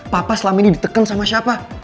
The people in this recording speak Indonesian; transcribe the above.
papa selama ini diteken sama siapa